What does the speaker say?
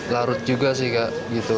larut juga sih kak